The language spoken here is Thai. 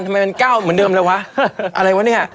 ทำไมมัน๙เหมือนเดิมเลยวะอะไรวะเนี่ย